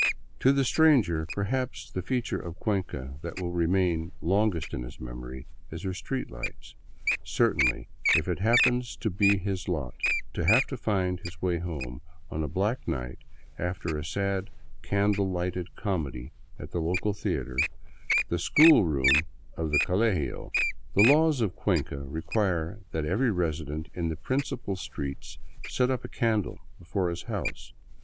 To the stranger, perhaps the feature of Cuenca that will remain longest in his memory is her street lights ; certainly, if it happens to be his lot to have to find his way home on a black night after a sad, candle lighted " comedy '' in the local theater — the school room of the colegio. The laws of Cuenca require that every resident in the prin cipal streets set up a candle before his house.